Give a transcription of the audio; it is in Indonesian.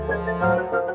gini aproh dimanjakan